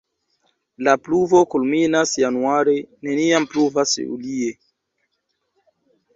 La pluvo kulminas januare, neniam pluvas julie.